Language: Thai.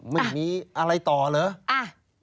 ไม่มีอะไรต่อเหรอ